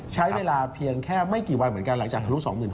ใช้เวลาเพียงแค่ไม่กี่วันเหมือนกันหลังจากทะลุ๒๖๐